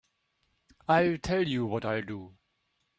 I'll tell you what I'll do.